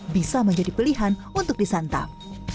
bisa menjadi pilihan untuk disantap